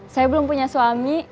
saya belum punya suami